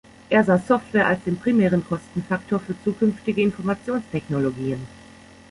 Er sah Software als den primären Kostenfaktor für zukünftige Informationstechnologien.